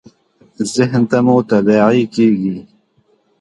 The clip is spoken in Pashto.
ذهن ته مو تداعي کېږي .